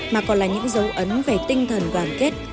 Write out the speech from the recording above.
mà còn là những dấu ấn về tinh thần đoàn kết